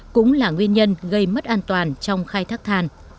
cũng là nguyên nhân gây mất an toàn trong khai thác than